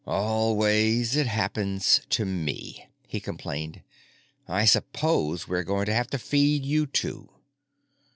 "Always it happens to me!" he complained. "I suppose we're going to have to feed you, too."